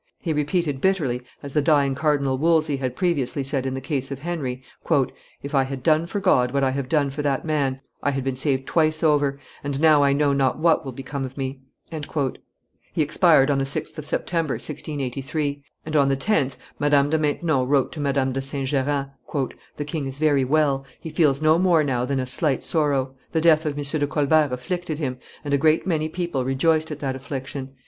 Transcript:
He repeated bitterly, as the dying Cardinal Wolsey had previously said in the case of Henry, "If I had done for God what I have done for that man, I had been saved twice over; and now I know not what will become of me." He expired on the 6th of September, 1683; and on the 10th, Madame de Maintenon wrote to Madame de St. Geran, "The king is very well; he feels no more now than a slight sorrow. The death of M. de Colbert afflicted him, and a great many people rejoiced at that affliction.